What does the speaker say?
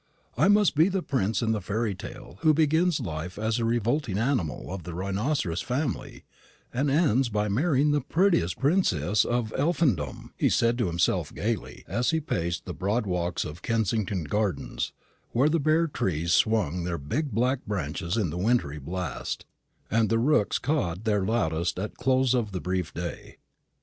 "I must be the prince in the fairy tale who begins life as a revolting animal of the rhinoceros family, and ends by marrying the prettiest princess in Elfindom," he said to himself gaily, is he paced the broad walks of Kensington gardens, where the bare trees swung their big black branches in the wintry blast, and the rooks cawed their loudest at close of the brief day.